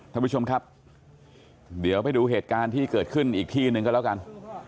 ท่านผู้ชมครับเดี๋ยวไปดูเหตุการณ์ที่เกิดขึ้นอีกที่หนึ่งก็แล้วกัน